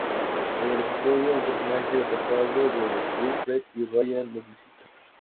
En el episodio, un personaje del pasado de Wilfred y Ryan los visita.